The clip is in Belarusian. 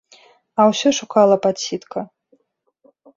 А ўсё шукала падсітка.